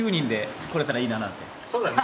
そうだね。